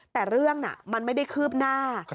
แต่เรื่องมันไม่ได้คืบหน้า